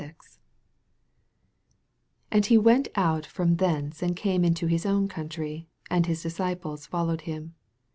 1 And he went out t om thence. and came into his own country ; and his disciples follow him.